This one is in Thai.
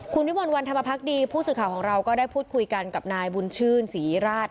คุณวิมลวันธรรมพักดีผู้สื่อข่าวของเราก็ได้พูดคุยกันกับนายบุญชื่นศรีราช